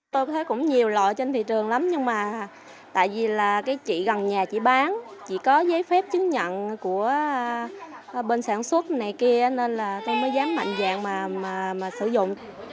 tôi thấy cũng nhiều loại trên thị trường lắm nhưng mà tại vì là cái chị gần nhà chị bán chỉ có giấy phép chứng nhận của bên sản xuất này kia nên là tôi mới dám mạnh dạng mà sử dụng